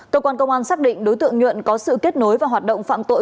cơ quan công an xác định đối tượng nhuận có sự kết nối và hoạt động phạm tội